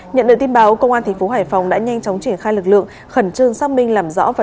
nhận được tin báo công an tp hải phòng đã nhanh chóng triển khai lực lượng khẩn trương xác minh làm rõ và truy bắt đối tượng gây án